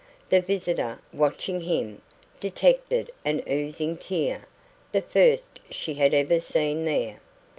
The visitor, watching him, detected an oozing tear the first she had ever seen there.